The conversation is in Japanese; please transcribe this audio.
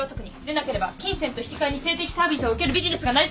でなければ金銭と引き換えに性的サービスを受けるビジネスが成り立つはずがない！